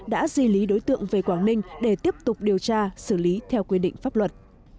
đã di lý đối tượng về quảng ninh để tiếp tục điều tra xử lý theo quy định pháp luật